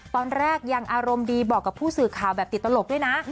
ตอนแรกยังอารมณ์ดีบอกกับผู้สื่อข่าวแบบติดตลกด้วยนะ